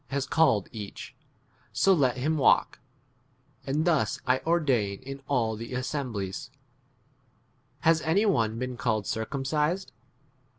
GodP lias called each, so let him walk ; and thus I ordain in all 18 the assemblies. Has any one been called circumcised